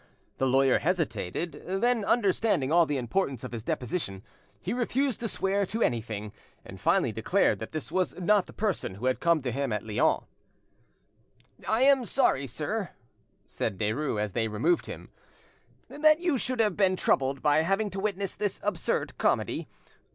The lawyer hesitated; then, understanding all the importance of his deposition, he refused to swear to anything, and finally declared that this was not the person who had come to him at Lyons. "I am sorry, sir," said Derues, as they removed him, "that you should have been troubled by having to witness this absurd comedy.